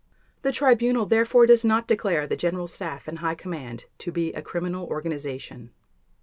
The Tribunal therefore does not declare the General Staff and High Command to be a criminal organization.